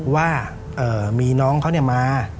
ว่ามีน้องเขามา